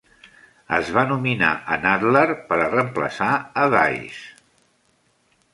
Es va nominar a Nadler per a reemplaçar a Weiss.